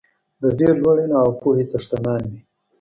د ډېر لوړ علم او پوهې څښتنان وي.